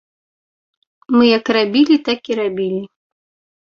Мы як рабілі, так і рабілі.